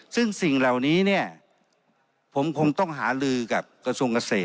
ซึ่งสิ่งเหล่านี้เนี่ยผมคงต้องหาลือกับกระทรวงเกษตร